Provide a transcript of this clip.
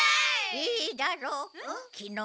いいだろう。